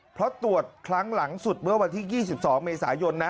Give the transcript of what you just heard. เพราะตรวจครั้งหลังสุดเมื่อวันที่๒๒เมษายนนะ